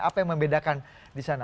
apa yang membedakan di sana